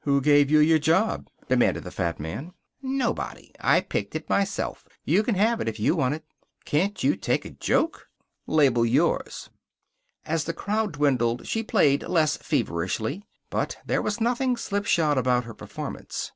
"Who gave you your job?" demanded the fat man. "Nobody. I picked it myself. You can have it if you want it." "Can't you take a joke?" "Label yours." As the crowd dwindled she played less feverishly, but there was nothing slipshod about her performance.